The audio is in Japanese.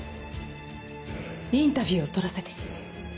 インタビューを撮らせて。